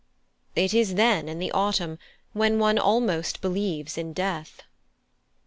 It is, then, in the autumn, when one almost believes in death."